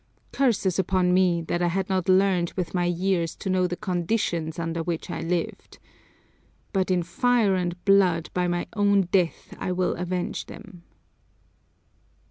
Curses upon me that I had not learned with my years to know the conditions under which I lived! But in fire and blood by my own death I will avenge them!"